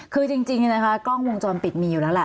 คือจริงกล้องวงจรปิดมีอยู่แล้วแหละ